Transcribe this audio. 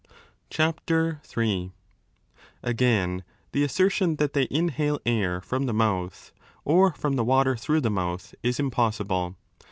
CHAPTER ni Again, the assertion that they inhale air from the mouth, or from the water through the mouth, is im possible.